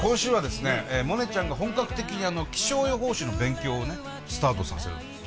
モネちゃんが本格的に気象予報士の勉強をねスタートさせるんですよ。